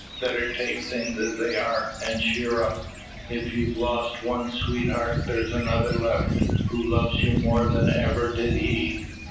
Better take things as they are, and cheer up. If you've lost one sweetheart, there's another left, who loves you more than ever did he.